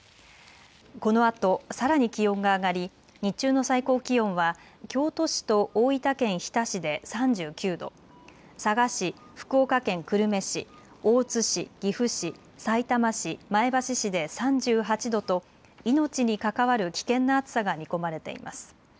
このあとさらに気温が上がり日中の最高気温は京都市と大分県日田市で３９度、佐賀市、福岡県久留米市、大津市、岐阜市、さいたま市、前橋市で３８度と命に関わる危険な暑さが見込まれています。